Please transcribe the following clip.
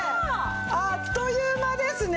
あっという間ですね。